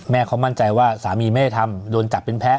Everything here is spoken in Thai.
เขามั่นใจว่าสามีไม่ได้ทำโดนจับเป็นแพ้